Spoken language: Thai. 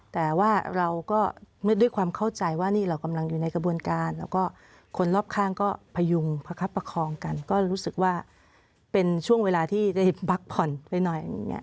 แต่ว่าเราก็ด้วยความเข้าใจว่านี่เรากำลังอยู่ในกระบวนการแล้วก็คนรอบข้างก็พยุงประคับประคองกันก็รู้สึกว่าเป็นช่วงเวลาที่ได้พักผ่อนไปหน่อย